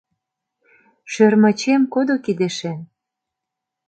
Шӧрмычем кодо кидешем.